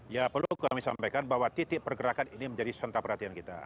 ya perlu kami sampaikan bahwa titik pergerakan ini menjadi sentak perhatian kita